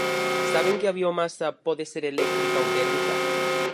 Saben que a biomasa pode ser eléctrica ou térmica.